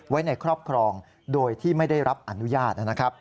ไว้ในครอบครองโดยที่ไม่ได้รับอนุญาตนะครับ